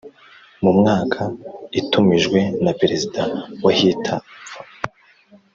mu mwaka itumijwe na Perezida wahita upfa